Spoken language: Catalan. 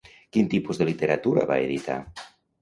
Quin tipus de literatura va editar?